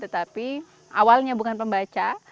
tetapi awalnya bukan pembaca